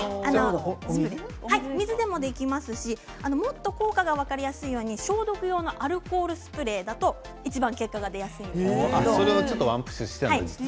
お水でもできますしもっと効果が分かりやすいように消毒用のアルコールスプレーだとそれをワンプッシュしたのね。